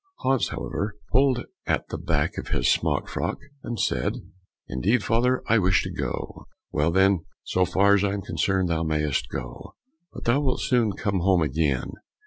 Hans, however, pulled at the back of his smock frock and said, "Indeed, father, I wish to go." "Well, then, so far as I am concerned thou mayst go, but thou wilt soon come home again!"